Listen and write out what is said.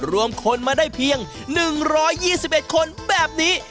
รวมคนมาได้เพียงหนึ่งร้อยยี่สิบเอ็ดคนแบบนี้